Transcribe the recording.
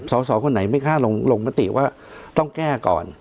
สาวคนไหนไม่ค่าลงประติว่าต้องแก้ก่อน